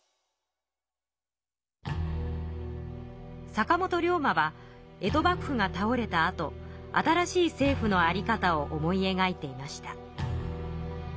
坂本龍馬は江戸幕府が倒れたあと新しい政府の在り方を思いえがいていました。